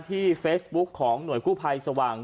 ที่เฟซบุ๊คของหน่วยกู้ภัยสว่าง